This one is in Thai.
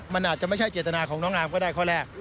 มันอาจจะไม่ใช่เจตนาของน้องอาร์มก็ได้ข้อแรก